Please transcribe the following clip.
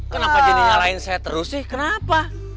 kenapa jadi nyalain saya terus sih kenapa